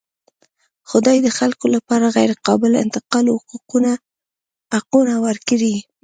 خدای د خلکو لپاره غیرقابل انتقال حقونه ورکړي.